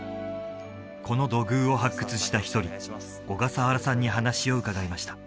この土偶を発掘した一人小笠原さんに話を伺いました